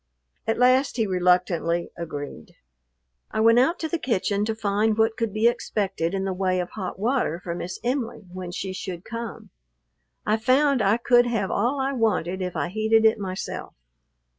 At last he reluctantly agreed. I went out to the kitchen to find what could be expected in the way of hot water for Miss Em'ly when she should come. I found I could have all I wanted if I heated it myself.